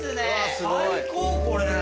最高これ。